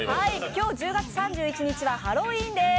今日１０月３１日はハロウィーンです。